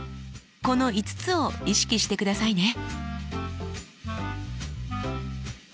この５つを意識してくださいね。